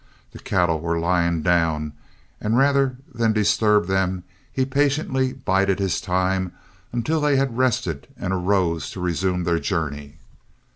The cattle were lying down, and rather than disturb them, he patiently bided his time until they had rested and arose to resume their journey.